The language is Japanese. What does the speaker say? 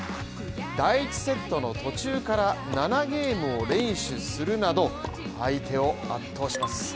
第１セットの途中から７ゲームを連取するなど、相手を圧倒します。